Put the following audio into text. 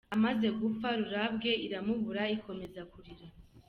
Amaze gupfa, Rurabwe iramubura, ikomeza kurira.